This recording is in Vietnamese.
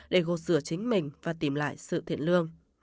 để gột sửa chính mình và tìm lại sự thiện lương